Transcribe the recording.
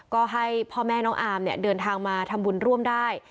ก็ให้พ่อแม่น้องอาร์มเดินทางมาทำบุญร่วมได้